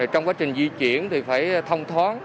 trong quá trình di chuyển thì phải thông thoáng